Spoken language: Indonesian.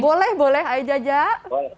boleh boleh ayah jajah